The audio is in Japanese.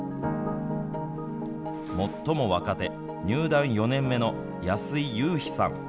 最も若手、入団４年目の安井悠陽さん。